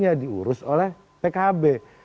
itu yang diurus oleh pkb